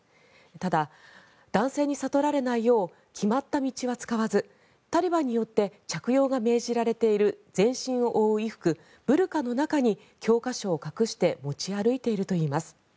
ただ、男性に悟られないよう決まった道は使わずタリバンによって着用が命じられている全身を覆う衣服、ブルカの中に教科書を隠して持ち歩いているといいます。